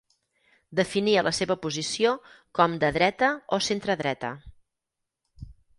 Definia la seva posició com de dreta o centredreta.